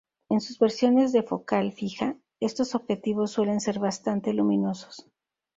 En sus versiones de focal fija, estos objetivos suelen ser bastante luminosos.